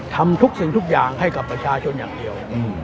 ทำสิ่งที่ให้ให้กับประชาชนอย่างเดียว